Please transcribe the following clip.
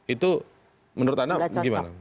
itu menurut anda gimana